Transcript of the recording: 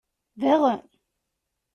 Daɣen!